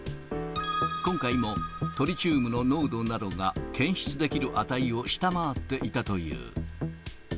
今回もトリチウムの濃度などが、検出できる値を下回っていたという。